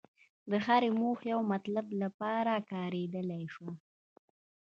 د هرې موخې او مطلب لپاره کارېدلای شوای.